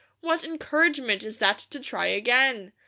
What encouragement is that to try again?